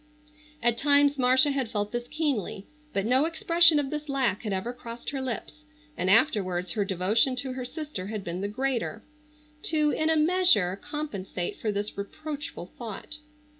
At times Marcia had felt this keenly, but no expression of this lack had ever crossed her lips, and afterwards her devotion to her sister had been the greater, to in a measure compensate for this reproachful thought.